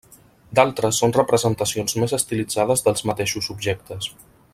D'altres són representacions més estilitzades dels mateixos objectes.